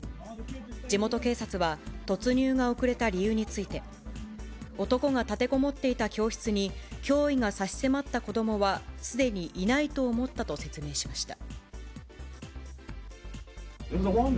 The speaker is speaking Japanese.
地元警察は、突入が遅れた理由について、男が立てこもっていた教室に、脅威が差し迫った子どもはすでにいないと思ったと説明しました。